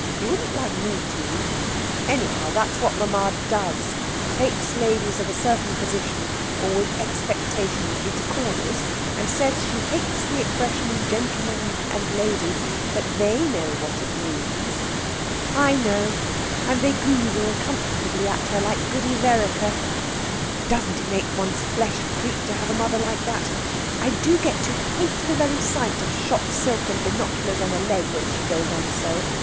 You wouldn't like me to. Anyhow, that's what mamma does. Takes ladies of a certain position or with expectations into corners, and says she hates the expression gentleman and lady, but they know what she means...." "I know. And they goozle comfortably at her, like Goody Vereker." "Doesn't it make one's flesh creep to have a mother like that? I do get to hate the very sight of shot silk and binoculars on a leg when she goes on so.